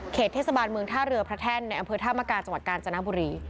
เทศบาลเมืองท่าเรือพระแท่นในอำเภอธามกาจังหวัดกาญจนบุรี